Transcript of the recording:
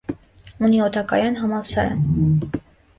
Ունի օդակայան, համալսարան։